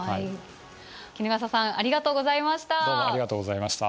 衣笠さんありがとうございました。